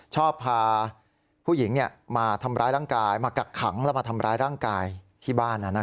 ชอบพาผู้หญิงมาทำร้ายร่างกายมากักขังแล้วมาทำร้ายร่างกายที่บ้าน